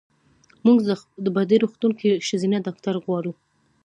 مونږ په دې روغتون کې ښځېنه ډاکټره غواړو.